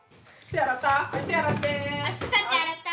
手洗った？